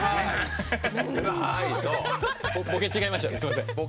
ボケ違いました。